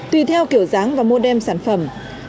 tùy theo kiểu dáng và mô đem sản phẩm